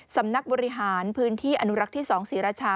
สำนักบริหารพื้นที่อนุรักษ์ที่๒ศรีราชา